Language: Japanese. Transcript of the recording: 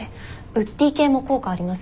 ウッディ系も効果ありますよ。